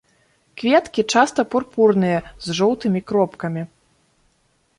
Кветкі часта пурпурныя з жоўтымі кропкамі.